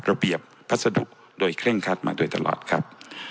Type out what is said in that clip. ระเบียบพัสดุโดยเคร่งคัดมาโดยตลอดครับ